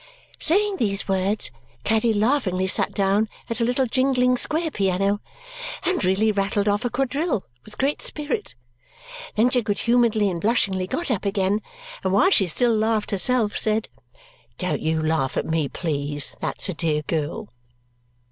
Saying these words, Caddy laughingly sat down at a little jingling square piano and really rattled off a quadrille with great spirit. Then she good humouredly and blushingly got up again, and while she still laughed herself, said, "Don't laugh at me, please; that's a dear girl!"